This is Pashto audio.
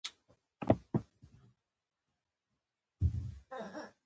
د نیمروز په کنگ کې د څه شي نښې دي؟